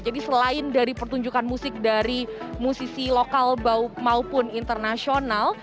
jadi selain dari pertunjukan musik dari musisi lokal maupun internasional